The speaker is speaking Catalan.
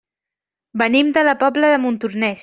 Venim de la Pobla de Montornès.